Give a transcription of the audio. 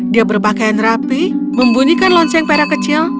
dia berpakaian rapi membunyikan lonceng perak kecil